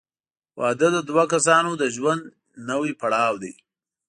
• واده د دوه کسانو د ژوند نوی پړاو دی.